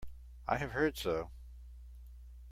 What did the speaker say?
I have heard so.